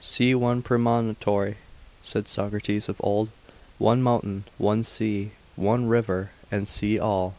See one promontory (said Socrates of old), one mountain, one sea, one river, and see all.